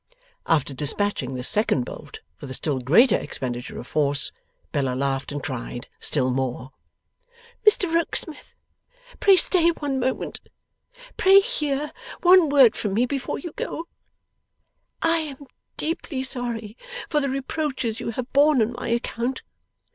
After despatching this second bolt with a still greater expenditure of force, Bella laughed and cried still more. 'Mr Rokesmith, pray stay one moment. Pray hear one word from me before you go! I am deeply sorry for the reproaches you have borne on my account.